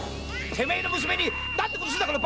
てめえの娘に何てことするんだ！〕